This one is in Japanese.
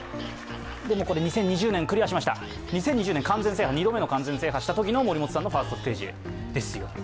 でも、これ、２０２０年、クリアしました２度目の完全制覇したときの森本さんのファーストステージです。